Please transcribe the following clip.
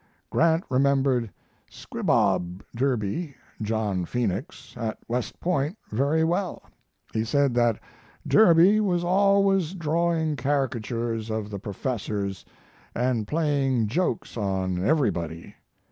Grant remembered 'Squibob' Derby (John Phoenix) at West Point very well. He said that Derby was always drawing caricatures of the professors and playing jokes on every body.